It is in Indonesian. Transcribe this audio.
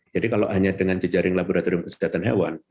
jadi kalau hanya dengan jejaring laboratorium kesehatan hewan